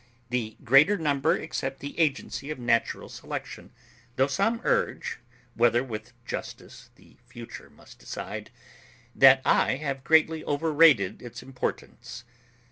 The greater number accept the agency of natural selection; though some urge, whether with justice the future must decide, that I have greatly overrated its importance.